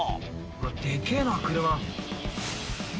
うわっでかいな車。